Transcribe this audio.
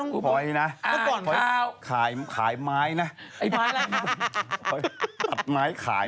ตำไมไหลขาย